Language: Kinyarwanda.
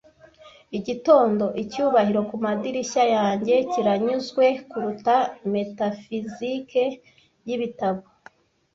Igitondo-icyubahiro kumadirishya yanjye kiranyuzwe kuruta metafizike yibitabo.